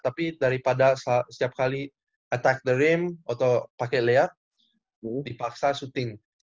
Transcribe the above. tapi daripada setiap kali attack the rim atau pake layout dipaksa syuting